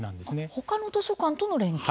他の図書館との連携。